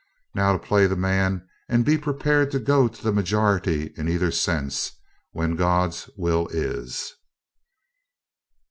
Now to play the man and be prepared to go to the majority in either sense, when God's will is.